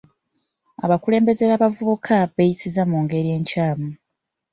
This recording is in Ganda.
Abakulembeze b'abavubuka beeyisizza mu ngeri nkyamu.